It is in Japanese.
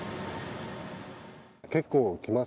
結構来ます。